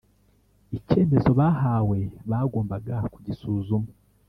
Icyemezo bahawe bagombaga kugisuzuma